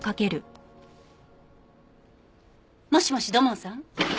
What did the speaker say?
もしもし土門さん？